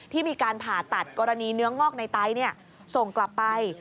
มีการผ่าตัดกรณีเนื้องอกในไตส่งกลับไป